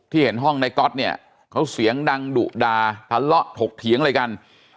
เห็นห้องในก๊อตเนี่ยเขาเสียงดังดุดาทะเลาะถกเถียงอะไรกัน